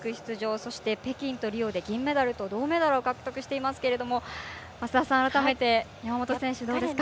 そして、北京とリオで銀メダルと銅メダルを獲得していますけど増田さん、改めて山本選手、どうですか。